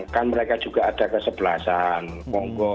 kan mereka juga ada kesebelasan monggo